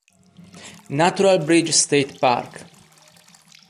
Natural Bridge State Park